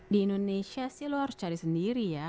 di indonesia sih lo harus cari sendiri ya